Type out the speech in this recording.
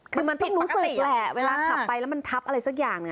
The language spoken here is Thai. คือมันเพิ่งรู้สึกแหละเวลาขับไปแล้วมันทับอะไรสักอย่างเนี่ย